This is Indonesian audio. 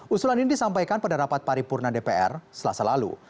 usulan ini disampaikan pada rapat paripurna dpr selasa lalu